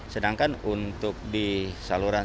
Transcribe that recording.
sedangkan untuk di saluran